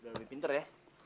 udah lebih pinter ya